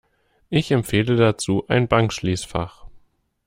Ich empfehle dazu ein Bankschließfach.